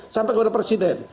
sampai kepada presiden